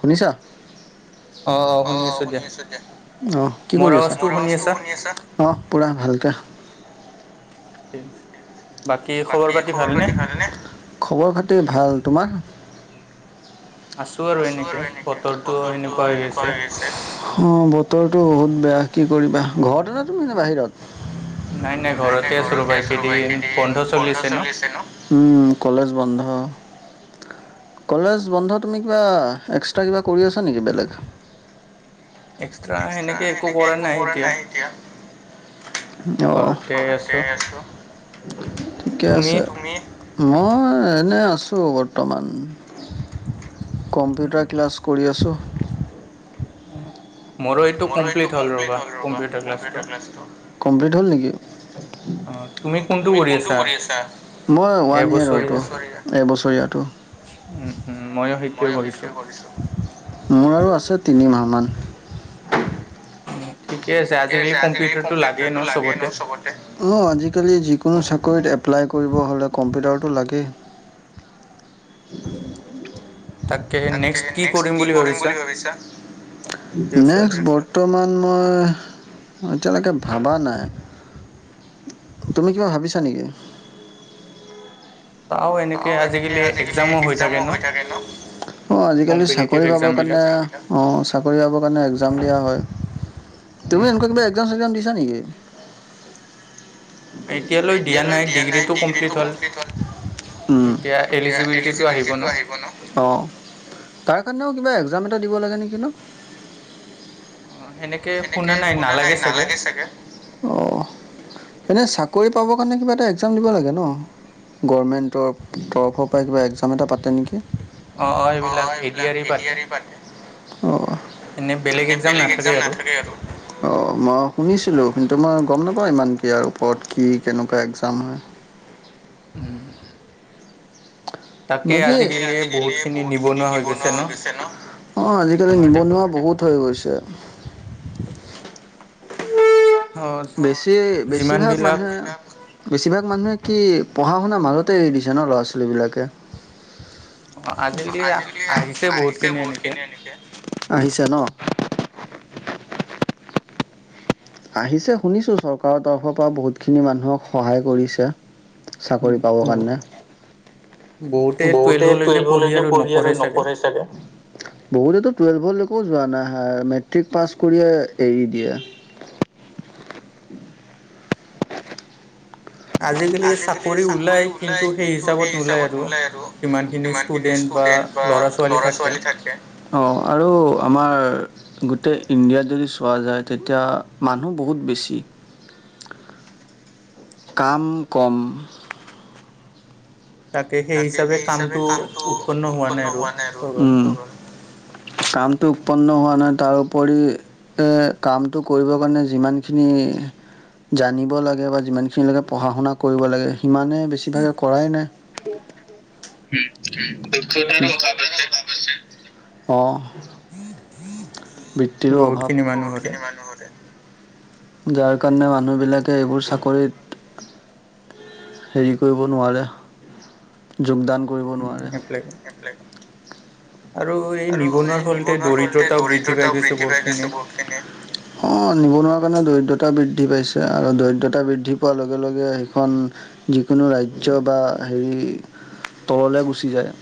শুনিছা। অ'। অ' শুনি আছোঁ দিয়া অ' কি কৰি আছ? অ' পুৰা ভালকে। ঠিক আছে। বাকি ভাল খবৰ পাতি ভাল নে, খবৰ পাতি ভাল তোমাৰ? আছোঁ আৰু এনেকে বতৰটো এনেকে হৈ আছে, অ' বতৰো বহুত বেয়া কি কি কৰিবা ঘৰতে নে তুমি বাহিৰত? নাই নাই ঘৰতে আছো ৰ'বা এইকেইদিন বন্ধ চলিছে ন'। বন্ধ। কলেজ বন্ধ তুমি কিবা এক্সট্ৰা কিবা কৰি আছা নেকি বেলেগ। এক্সট্ৰা এনেকে একো কৰা নাই এতিয়া। অ'। ঠিকে আছে, মই এনে আছ আছোঁ বৰ্তমান। কম্পিউটাৰ ক্লাছ কৰি আছোঁ। মোৰো এইটো কমপ্লিট হ'ল ৰ'বা কম্পিউটাৰ ক্লাছটো। অ' তুমিটো কৰি আছা? মই ওৱান ইয়াৰৰতো এবছৰীয়াটো। উম, হম, মই মোৰ আৰু আছে তিনি মাহমান। [unintelligible] ঠিকেই আছে আজিকালি কম্পিউটাৰটো লাগে ন' চবতে। অ' আজিকালি যিকোনো চাকৰিত এপ্লাই কৰিব হ'লে কম্পিউটাৰটো লাগেই। [unintelligible] তাকে নেক্সট কি কৰিম বুলি ভাবিছা? নেক্স বৰ্তমান মই। এতিয়ালৈকে ভাবা নাই। তুমি কিবা ভাবিছাঁ নেকি? চাওঁ এনেকে আজিকালি এক্সামো হয় থাকে ন'। অ' আজিকালি চাকৰি পাবৰ কাৰণে অ' চাকৰি পাবৰ কাৰণে এক্সাম দিয়া হয়। তুমি এনেকুৱা কিবা এক্সাম ছেকযাম দিছা নেকি? এতিয়ালৈ দিয়া নাই। ডিগ্ৰীটো কমপ্লিট হ'ল। এতিয়া এলিজিবিলিটিটো আহিব ন? অ। তাৰ কাৰণেও কিবা এক্সাম এটা দিব লাগে নেকি ন? এনেকে শুনা নাই নালাগে চাগে। এনেই চাকৰি পাবৰ কাৰণে কিবা এটা এক্সাম দিব লাগে ন? গভৰ্ণমেণ্ট ত-তৰফৰ পৰা কিবা এক্সাম এটা পাতে নেকি? অ -অ এইবিলাক এ দি আৰি পাতে। অ, এনে বেলেগ এক্সাম নাথাকে আৰু। অ, মই শুনিছিলোঁ। কিন্তু মই গম নাপাওঁ ইমান কি আৰু ওপৰত কি কেনেকুৱা এক্সাম হয়? [inaudible] [inaudible] বাকি আজিকালি বহুত খিনি নিবনুৱা হৈ গৈছে ন? অ, আজি-কালি নিবনুৱা বহুত হৈ গৈছে। [inaudible] বেছি-বেছিভাগ মানুহে, বেছিভাগ মানুহে কি পঢ়া শুনাৰ মাজতে এৰি দিছে ন। ল'ৰা ছোৱালীবিলাকে। [inaudible] অ, আজিকালি আহ-আহিছে বহুত খিনি এনেকে। আহিছে, শুনিছো চৰকাৰৰ তৰফৰ পৰা বহুতখিনি মানুহক সহায় কৰিছে। চাকৰি পাব কাৰণে। বহুতে টোৱেলভ লৈকে পঢ়ি আৰু নপঢ়ে চাগে। টুৱেল্ভলৈকে যোৱা নাই। হ, মেট্ৰিক পাছ কৰিয়ে এৰি দিয়া। আজিকালি চাকৰি ওলাই, কিন্তু সেই হিচাপত নোলায় আৰু যিমানখিনি ষ্টুডেন বা লৰা ছোৱালী থাকে। অ আৰু আমাৰ গোটে ইণ্ডিয়াত যদি চোৱা যায়, তেতিয়া মানুহ বহুত বেছি। কাম কম। তাকে সেই হিচাপে কামটো উৎপন্ন হোৱা নাই আৰু। উম, কামটো উৎপন্ন হোৱা নাই। তাৰোপৰি কামটো কৰিবৰ কাৰণে যিমানখিনি জানিব লাগে বা যিমান খিনিলৈকে পঢ়া শুনা কৰিব লাগে, সিমানে বেছিভাগে কৰাই নাই। [unintelligible] অ বহুতখিনি মানুহৰে। যাৰ কাৰণে মানুহবিলাকে এইবোৰ চাকৰিত হেৰি কৰিব নোৱাৰে, যোগদান কৰিব নোৱাৰে। এপ্লাই আৰু এই নিবনুৱাৰ ফলতে দৰিদ্ৰতাও বৃদ্ধি পাই গৈছে বহুতখিনি। অ নিবনোৱা কাৰণে দৰিদ্ৰতা বৃদ্ধি পাইছে আৰু দৰিদ্ৰতা বৃদ্ধি পোৱাৰ লগে লগে সেইখন যিকোনো ৰাজ্য ৰাজ্য বা হেৰি তললে গুচি যায়।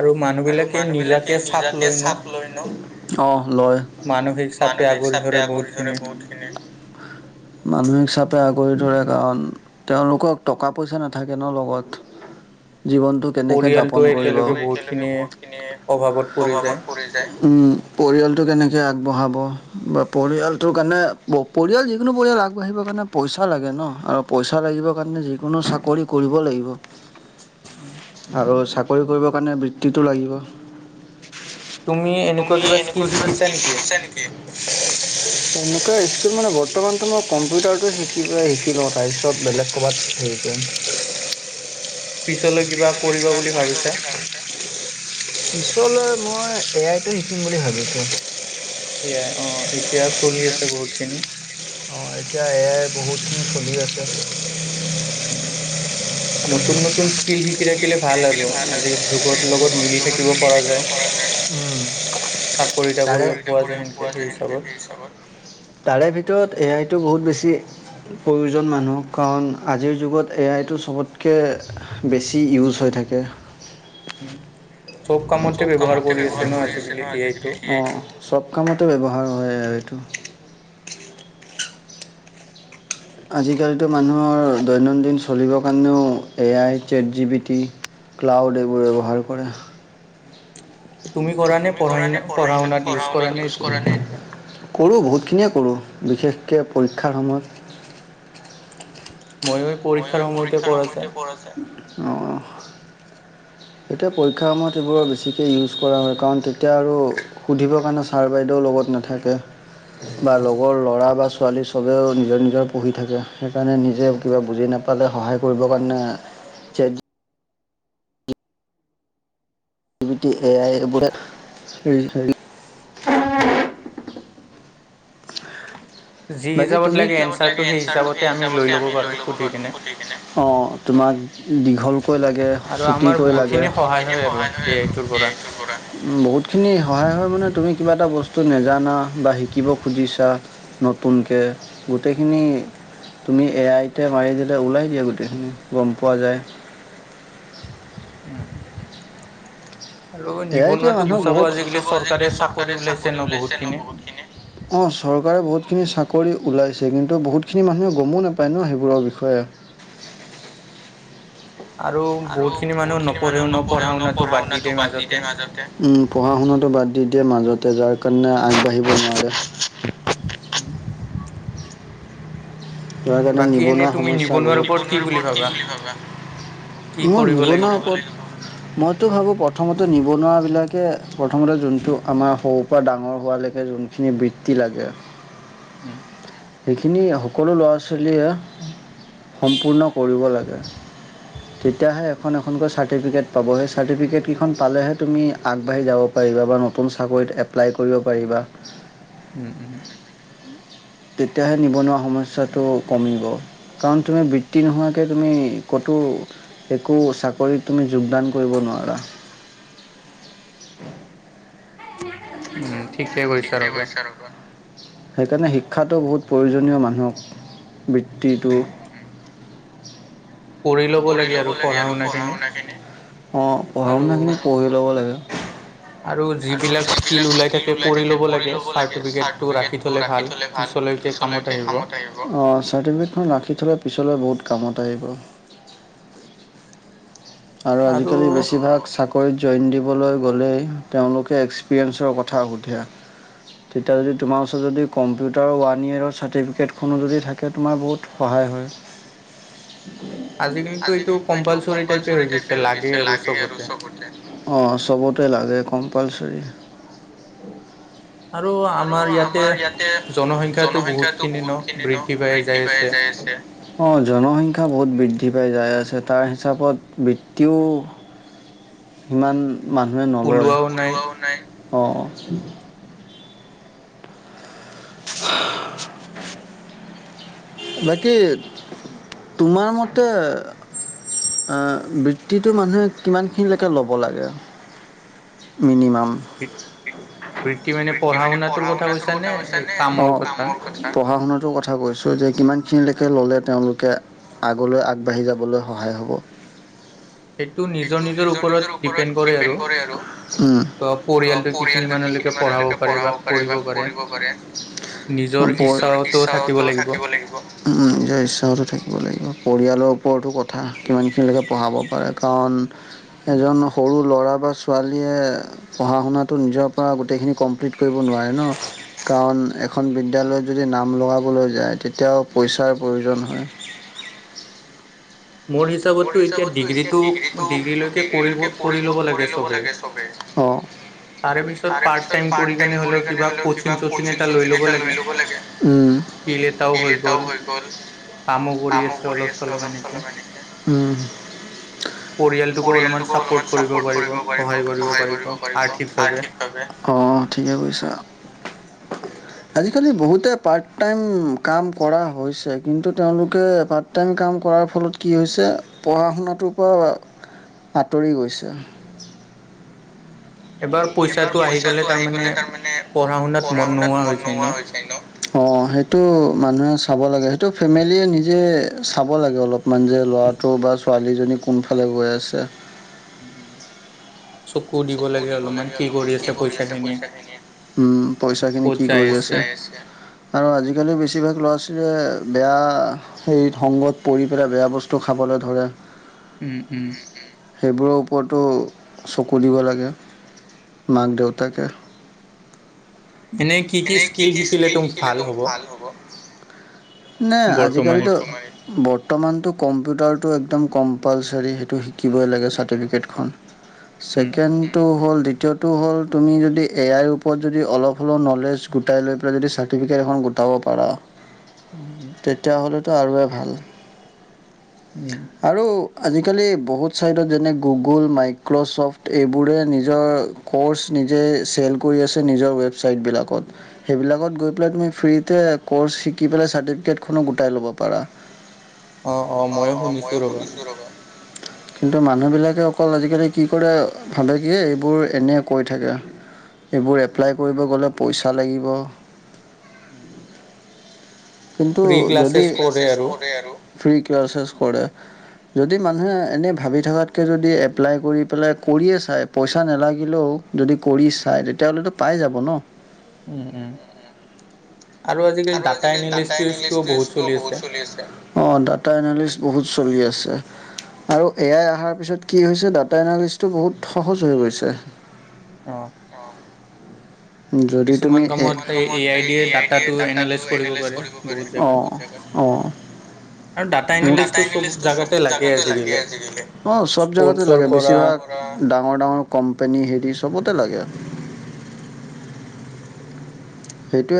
আৰু মানুহবিলাকে নিজাকে চাপ লৈ ন। লয়। মানসিক চাপে আগৰি ধৰে বহুত খিনি, মানসিক চাপ আগৰি ধৰে কাৰণ তেওঁলোকক টকা পইচা নাথাকে ন লগত। জীৱনটো কেনেকে যাপন তেতিয়া লৈকে বহুত খিনি অভাবত পৰি যায়। উম, পৰিয়ালটো কেনেকে আগবঢ়াব বা পৰিয়ালটোৰ কাৰণে পৰিয়াল যিকোনো পৰিয়াল আগবাঢ়িব কাৰণে পইচা লাগে ন ন আৰু পইচা লাগিব কাৰণে যিকোনো চাকৰি কৰিব লাগিব। আৰু চাকৰি কৰিবৰ কাৰণে বৃত্তিটো লাগিব। তুমি এনেকুৱা কিবা স্কীল শিকিছা নেকি? [inaudible] তেনেকুৱা স্কিল মানে বৰ্তমানটো মই কম্পিউটাৰটো শিকি পেলাই শিকি লওঁ। তাৰপিছত বেলেগ ক'ৰবাত হেৰি পিছলৈ কিবা কৰিবা বুলি ভাবিছা? পিছলৈ মই এ আই টো শিকিম বুলি ভাবিছোঁ এ আই অ এতিয়া চলি আছে বহুত খিনি অঁ এতিয়া এ আই বহুতখিনি চলি আছে উম নতুন নতুন স্কিল শিকি থাকিলে ভাল আৰু আজিৰ যুগত লগত মিলি থাকিব পৰা যায় উম তাৰে ভিতৰত এ আই টো বহুত বেছি অতি প্ৰয়োজন মানুহ কাৰণ আজিৰ যুগত এ আই টো চবতকৈ বেছি ইউজ হৈ থাকে। উম সব কামতে ব্যৱহাৰ কৰি আছে ন আজিকালি অ সব কামতে ব্যৱহাৰ ভাল হয় এ আই টো আজিকালিটো মানুহৰ দৈনন্দিন চলিবৰ কাৰণেও A I chat G P T cloud এইবোৰ ব্যৱহাৰ কৰে তুমি কৰা নে পঢ় পঢ়া শুনাত ইউজ কৰা নে কৰোঁ বহুতখিনিয়ে কৰোঁ বিশেষকৈ পৰীক্ষাৰ সময়ত ময়ো পৰীক্ষাৰ সময়তে কৰা যায়। [inaudible] এতিয়া পৰীক্ষাৰ সময়ত সেইবোৰৰ বেছিকৈ ইউজ কৰা হয় কাৰণ তেতিয়া আৰু সুধিবৰ কাৰণে ছাৰ বাইদেউ লগত নাথাকে। বা লগৰ লৰা বা ছোৱালী চবেও নিজৰ নিজৰ পঢ়ি থাকে। সেইকাৰণে নিজে কিবা বুজি নাপালে সহায় কৰিবৰ কাৰণে ছেট জি পি টি এ আব চৰি [unintelligible] উ [unintelligible] বাকী [unintelligible] তুমি ল অ তোমাক দীঘলকৈ লাগে চুটিকৈ লাগে সহায় বহুত খিনি সহায় হয় মানে তুমি কিবা এটা বস্তু নেজানা বা শিকিব খুজিছা নতুনকে গোটেইখিনি তুমি এ আইতে মাৰি দে ওলাই দিয়া গোটেইখিনি গম পোৱা যায় উম এ আই টোৱে মানুহক বহুত আজিকালি চৰকাৰে চাকৰি উলাইছে ন বহুত খিনি চৰকাৰে বহুত বহুতখিনি চাকৰি ওলাইছে কিন্তু বহুতখিনি মানুহে গমো নাপায় ন সেইবোৰৰ বিষয়ে উম [inaudible] আৰু বহুত খিনি মানুহ নপঢ়েও ন পঢ়া শুনাটো বাদ দি দিয়ে মাজতে উম পঢ়া শুনাটো বাদ দি দে মাজতে যাৰ কাৰণে আগবাঢ়িব নোৱাৰে উম তাৰ কাৰণে নিবনুৱা সমস্যা বহুত। সেয়েহে তুমি নিবনুৱাৰ ওপৰত কি বুলি ভাবা? মই নিবনুৱাৰ ওপৰত মইতো ভাবো প্ৰথমতে নিবনুৱাবিলাক গতিকে প্ৰথমতে যোনটো আমাৰ সৰুৰ পৰা ডাঙৰ হোৱালৈকে যোনখিনি বৃত্তি লাগে উম সেইখিনি সকলো ল'ৰা ছোৱালীয়ে সম্পূৰ্ণ কৰিব লাগে। তেতিয়াহে এখন এখনকৈ চাৰ্টিফিকেট পাব সেই চাৰ্টিফিকেটকেইখন পালেহে তুমি আগবাঢ়ি যাব পাৰিবা নতুন চাকৰিত এপ্লাই কৰিব পাৰিবা উম উম তেতিয়াহে নিবনুৱা সমস্যাটো কমিব কাৰণ তুমি বৃত্তি নোহোৱাকৈ তুমি কত [inaudible] একো চাকৰিত তুমি যোগদান কৰিব নোৱাৰা উ [unintelligible] উম ঠিক ঠাক হৈছে ৰবা সেইকাৰণে শিক্ষাটো বহুত প্ৰয়োজনীয় মানুহক। বৃত্তিটো কৰি ল'ব লাগে আৰু পঢ়া শুনাখিনি। অ' পঢ়া শুনা খিনি পঢ়ি ল'ব লাগে। আৰু যিবিলাক স্কিল উলাই থাকে কৰি ল'ব লাগ চাৰ্টিফিকেটো ৰাখি থ'লে ভাল। পিছলৈকে কামত আহিব। অ' চাৰ্টিফিকেট খন ৰাখি থ'লে পিছৰ লৈ বহুত কামত আহিব। আৰু আজিকালি বেছিভাগ চাকৰিত জৈন দিব। লৈ গ'লে তেওঁলোকে এক্সপিৰিয়েঞ্চৰ কথা সোধে। তেতিয়া যদি তোমাৰ ওচৰত যদি। কম্পিউটাৰৰ ওৱান ইয়েৰৰ চাৰ্টিফিকেটখনো যদি থাকে তোমাৰ বহুত সহায় হয়। আজিকালিতো এইটো কম্পালচৰি টাইপে হৈ গৈছে লাগে আৰু চবতে। অ' চবতে লাগে কম্পালচৰি। আৰু আমাৰ ইয়াতে জনসংখ্যাটো বহুত খিনি ন বৃদ্ধি পাই যায়। অ' জনসংখ্যা বহুত বৃদ্ধি পাই যাই আছে, তাৰ হিচাপত বৃত্তিও সিমান মানুহে নলয়। ওলোৱাও নাই। অ' অ'। [unintelligible] বাকী তোমাৰ মতে? অ' বৃত্তিটো মানুহে কিমানখিনিলৈকে ল'ব লাগে মিনিমাম। বৃত্তি মানে? পঢ়া শুনাটোৰ কথা কৈছা নে কামৰ কথা? পঢ়াশুনা। কথা কৈছো যে কিমানখিনিলৈকে ল'লে তেওঁলোকে আগলৈ আগবাঢ়ি যাবলৈ সহায় হ'ব। সেইটো নিজৰ নিজৰ ওপৰত ডিপেণ্ড কৰে আৰু পৰিয়ালটো যিখিনি মানলৈকে পঢ়াব পাৰে বা পঢ়িব পাৰে। বৰ ইচ্ছাটো থাকিব লাগিব উ নিজৰ ইচ্ছাউটো থাকিব লাগিব। পৰিয়ালৰ ওপৰতো কথা কিমানখিনিলৈকে পঢ়াব পাৰে। কাৰণ এজন সৰু ল'ৰা বা ছোৱালীয়ে পঢ়া শুনাটো নিজৰ পৰা গোটেই। কমপ্লিট কৰিব নোৱাৰে ন, কাৰণ এখন বিদ্যালয়ত যদি নাম লগাবলৈ যায়, তেতিয়া অলপ পইচাৰ প্ৰয়োজন হয়। উম। মোৰ হিচাপততো এতিয়া ডিগ্ৰীটো ডিগ্ৰীলৈকে কৰিব পঢ়ি ল'ব লাগে চবেই। [inaudible] তাৰে পিছত পাৰট টাইম কৰি কেনে হ'লেও কিবা কচিং চচিং এটা লৈ ল'ব লাগে। স্কিল এটাও হৈ গ'ল কামো কৰি আছে অলপ চলপ এনেকৈ। উম। পৰিয়ালটোকো অলমান চাপৰ্ট কৰিব পাৰিব সহায় কৰিব পাৰিব, আৰ্থিকভাৱে। অ' ঠিকে কৈছা। [inaudible] আজিকালি বহুতে পাৰ্ট টাইম কাম কৰা হৈছে। কিন্তু, তেওঁলোকে পাৰ্ট টাইম কাম কৰাৰ ফলত কি হৈছে পঢ়া শুনাটোৰ পৰা। আঁতৰি গৈছে। এবাৰ পইচাটো আহি গ'লে, তাৰমানে পঢ়া শুনাত মন নোহোৱা হৈ যায় ন। অ' সেইটো মানুহে চাব লাগে সেইটো। সেটো ফেমিলীয়ে নিজে চাব লাগে। অলপমান যে ল'ৰাটোৰ বা ছোৱালীজনী কোনফালে গৈ আছে। উম। চকু দিব লাগে অলপমান। কি কৰি আছে পইচাখিনি। উম, পইচা খিনি কি কৰি আছে। আৰু আজিকালি বেছিভাগ ল'ৰা ছোৱী। বেয়া হেৰি সংগত পৰি পেলাই বেয়া বস্তু খাবলৈ ধৰে। উম, উম। সেইবোৰৰ ওপৰতো চকু দিব লাগে মাক দেউতাকে। এনেই কি কি স্কিল শিকিলে তোক ভাল হ'ব? নে আজিকালিতো ব বৰ্তমানটো কম্পিউটাৰটো একদম কম্পালচাৰী সেইটো শিকিবই লাগে, চাৰ্টিফিকেটখন ছেকেণ্ডটো হ'ল, দ্বিতীয়টো হ'ল তুমি যদি এ আইৰ ওপৰত যদি অলপ হ'লেও ন'লেজ স্কুটাই লৈ পেলাই যদি চাৰ্টিফিকেট এখন গোটাব পাৰা তেতিয়া হ'লে তো আৰু এ, ভাল। আৰু আজি আজিকালি বহুত চাইডত যেনে গুগল মাইক্ৰ'চফ্ট এইবোৰে নিজৰ কৰ্চ নিজে চেল কৰি আছে নিজৰ ৱেবচাইটবিলাকত। সেইবিলাকত গৈ পেলাই তুমি ফ্ৰীতে কোৰ্চ শিকি পেলায় চাৰ্টিফিকেটখনো গোটাই লব পাৰা। অ', অ' ময়ো শুনিছোঁ ৰ'বা। কিন্তু মানুহবিলাকে অকল আজিকালি কি কৰে ভাবে কি এইবোৰ এনেই কৈ থাকে। হেইবোৰ এপ্লাই কৰিব গ'লে পইচা লাগিব। কিন্তু যদি ফ্ৰী ক্লাচেছ কৰে যদি মানুহে এনেই ভাবি থকাতকৈ যদি এপ্লাই কৰি পেলাই কৰিয়ে চাই পইচা নেলাগিলেও যদি কৰি চাই তেতিয়াহ'লেতো পাই যাব ন'? উম, উম। আৰু আজিকালি ডাটা এনালিষ্টিছটোও বহুত চলি আছে। অ' ডাটা এনালিচ বহুত চলি আছে। আৰু এ আই অহাৰ পিছত কি হৈছে ডাটা এনালিছটো বহুত সহজ হৈ গৈছে। হ। যদি তুমি এ, কিছুমান কামত এ আই ডিয়ে ডাটাটো এনালাইছ কৰিব পাৰে। অ'। অ'। ডাটা এনলাইছটো চব জাগাতে লাগে আজিকালি। অ' চব জাগাতে লাগে বেছিভাগ ডাঙৰ ডাঙৰ কোম্পানী হেৰি চবতে লাগে। সেইটোয়েই।